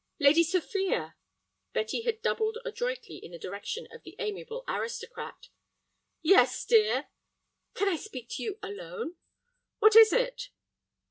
"Lady Sophia." Betty had doubled adroitly in the direction of the amiable aristocrat. "Yes, dear—" "Can I speak to you alone?" "What is it?"